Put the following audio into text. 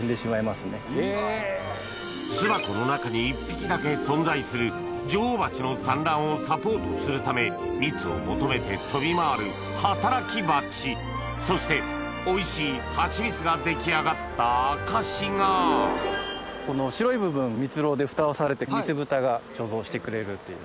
巣箱の中に１匹だけ存在する女王蜂の産卵をサポートするため蜜を求めて飛び回る働きバチそしておいしいハチミツが出来上がった証しがこの白い部分蜜蝋で蓋をされて蜜蓋が貯蔵してくれるという。